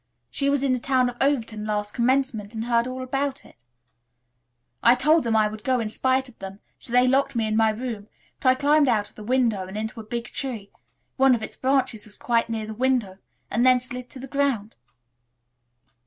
She was in the town of Overton last commencement and heard about it. I told them I would go in spite of them, so they locked me in my room, but I climbed out the window and into a big tree, one of its branches was quite near the window, and then slid to the ground."